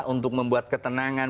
untuk membuat ketenangan